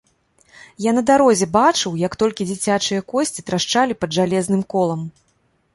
Я на дарозе бачыў, як толькі дзіцячыя косці трашчалі пад жалезным колам.